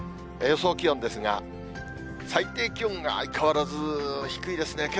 予想気温ですが、最低気温が相変わらず低いですね。